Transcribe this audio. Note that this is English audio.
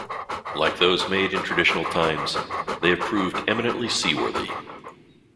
Like those made in traditional times, they have proved eminently seaworthy.